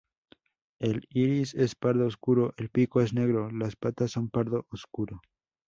El iris es pardo oscuro, el pico es negro, las patas son pardo oscuro.